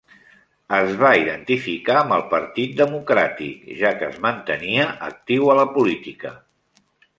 Es va identificar amb el partit democràtic, ja què es mantenia actiu a la política.